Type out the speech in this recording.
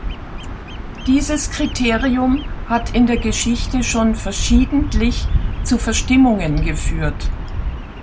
Dieses Kriterium hat in der Geschichte schon verschiedentlich zu Verstimmungen geführt.